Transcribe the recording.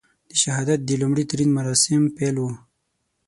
د شهادت د لومړي تلین مراسم پیل وو.